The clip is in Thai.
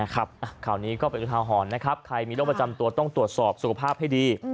ข่าวนี้ก็เป็นอุทาหรณ์นะครับใครมีโรคประจำตัวต้องตรวจสอบสุขภาพให้ดี